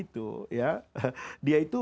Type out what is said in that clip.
itu ya dia itu